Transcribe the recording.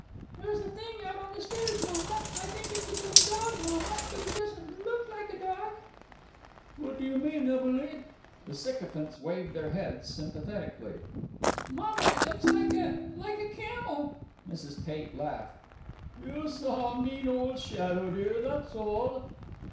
"There's a thing out on the stairs, mamma. I think it's a big dog, mamma, but it doesn't look like a dog." "What do you mean, Emily?" The sycophants waved their heads sympathetically. "Mamma, it looks like a like a camel." Mrs. Tate laughed. "You saw a mean old shadow, dear, that's all."